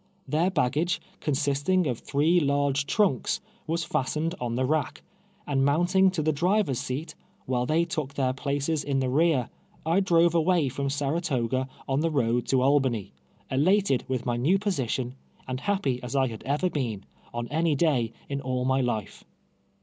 Their baggage, consisting of three large trunks, was fastened on the rack, and mounting to the driver's seat, while they took their places in the rear, I drove away from Saratoga on the road to Albany, elated with my new position, and happy as I had ever been, on any day in all my life.